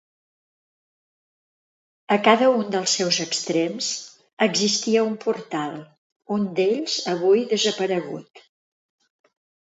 A cada un dels seus extrems existia un portal, un d'ells avui desaparegut.